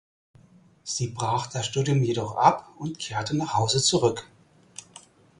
Sie brach das Studium jedoch ab und kehrte nach Hause zurück.